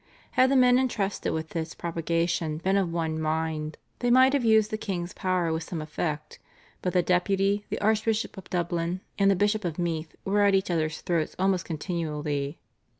Had the men entrusted with its propagation been of one mind they might have used the king's power with some effect, but the Deputy, the Archbishop of Dublin, and the Bishop of Meath were at each others throats almost continually.